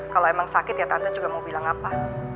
kalau emang sakit ya tante juga mau bilang apa